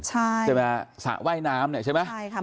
ใช่ไหมสระว่ายน้ำเนี่ยใช่ไหมใช่ค่ะ